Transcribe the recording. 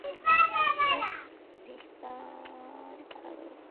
سټرېس وېښتيان خرابوي.